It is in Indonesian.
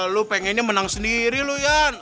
lo pengennya menang sendiri lu yan